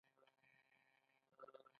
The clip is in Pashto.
د بابونه ګل د څه لپاره وکاروم؟